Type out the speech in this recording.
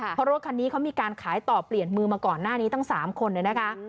เพราะรถคันนี้เขามีการขายต่อเปลี่ยนมือมาก่อนหน้านี้ตั้ง๓คนเลยนะคะ